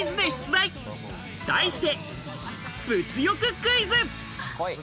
題して物欲クイズ！